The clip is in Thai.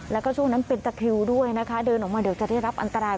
แล้วก็ช่วงนั้นเป็นตะคริวด้วยนะคะเดินออกมาเดี๋ยวจะได้รับอันตราย